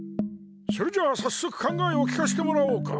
それじゃあさっそく考えを聞かしてもらおうか。